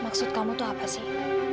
kau mau ngapain sih